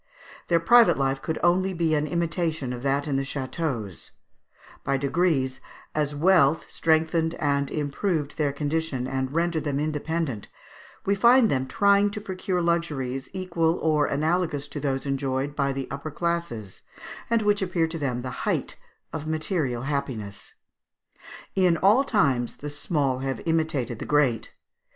Their private life could only be an imitation of that in the châteaux; by degrees as wealth strengthened and improved their condition, and rendered them independent, we find them trying to procure luxuries equal or analogous to those enjoyed by the upper classes, and which appeared to them the height of material happiness. In all times the small have imitated the great.